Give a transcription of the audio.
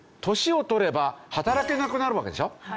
年を取れば働けなくなるわけでしょ。